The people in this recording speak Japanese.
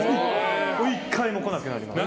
１回も来なくなりました。